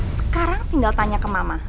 sekarang tinggal tanya ke mama